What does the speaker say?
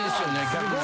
逆に。